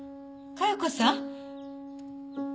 加代子さん